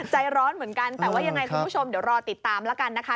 ใจร้อนเหมือนกันแต่ว่ายังไงคุณผู้ชมเดี๋ยวรอติดตามแล้วกันนะคะ